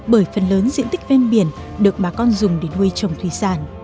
bởi phần lớn diện tích ven biển được bà con dùng để nuôi trồng thủy sản